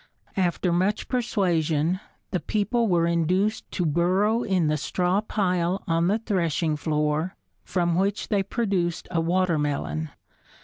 After much persuasion the people were induced to burrow in the straw pile on the threshing floor from which they produced a watermelon.